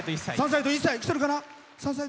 ３歳と１歳。来てるかな。